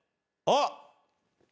あっ！